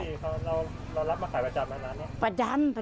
ปกติเรารับมาขายประจำมานานเนี่ย